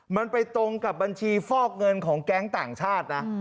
มันไปตรงกับบัญชีฟอกเงินของแก๊งต่างชาตินะ